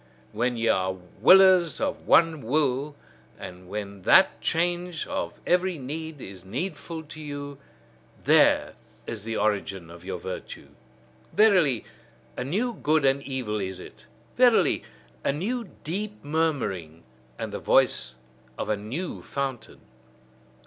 When ye are willers of one will, and when that change of every need is needful to you: there is the origin of your virtue. Verily, a new good and evil is it! Verily, a new deep murmuring, and the voice of a new fountain!